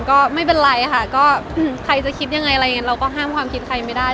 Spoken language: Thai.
ก็ไม่เป็นไรค่ะก็ใครจะคิดยังไงเราก็ห้ามความคิดใครไม่ได้